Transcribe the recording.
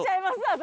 私。